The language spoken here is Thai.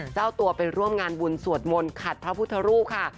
เจ้าตัวไปร่วมงานบุญสวดมนต์ขัดพระพุทธรูปค่ะ